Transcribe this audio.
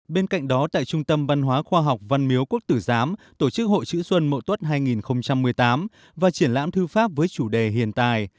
bên cạnh đó tại trung tâm văn hóa khoa học văn miếu quốc tử giám tổ chức hội chữ xuân mậu tuất hai nghìn một mươi tám và triển lãm thư pháp với chủ đề hiền tài